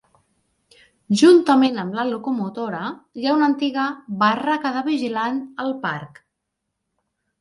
Juntament amb la locomotora, hi ha una antiga "barraca de vigilant" al parc.